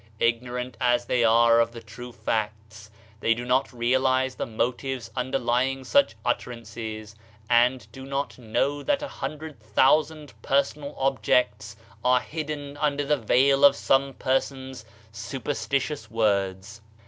Ignorant as they are of the true facts they do not realize the motives underlying such utterances and do not know that a hundred thousand personal ob jects are hidden under the veil of some person's superstitious words.